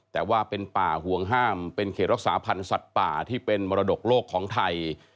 แต่ว่าเป็นป่าห่วงห้ามเป็นเขตรักษาพันธ์สัตว์ป่าที่เป็นมรดกโลกของไทย